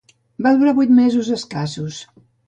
Va durar vuit mesos escassos.